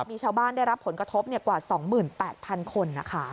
มีชาวบ้านได้รับผลกระทบกว่า๒๘๐๐๐คนนะคะ